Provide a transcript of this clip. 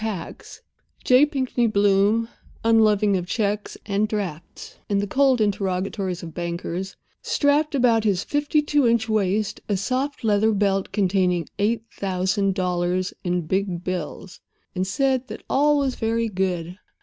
tax, J. Pinkney Bloom (unloving of checks and drafts and the cold interrogatories of bankers) strapped about his fifty two inch waist a soft leather belt containing eight thousand dollars in big bills, and said that all was very good.